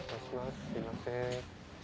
すいません。